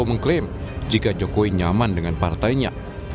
mengklaim jika jokowi nyaman dengan partainya